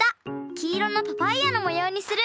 きいろのパパイアのもようにする。